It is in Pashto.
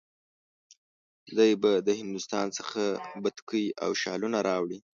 دی به د هندوستان څخه بتکۍ او شالونه راوړي.